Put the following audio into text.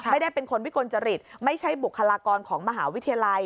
ไม่ได้เป็นคนวิกลจริตไม่ใช่บุคลากรของมหาวิทยาลัย